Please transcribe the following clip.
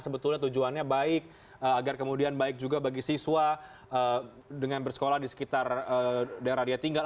sebetulnya tujuannya baik agar kemudian baik juga bagi siswa dengan bersekolah di sekitar daerah dia tinggal